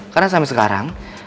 karena sampai sekarang